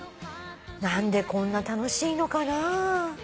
何でこんな楽しいのかなぁ？